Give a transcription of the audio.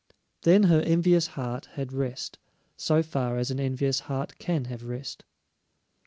Then her envious heart had rest, so far as an envious heart can have rest.